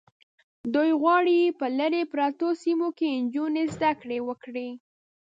دوی غواړي په لرې پرتو سیمو کې نجونې زده کړې وکړي.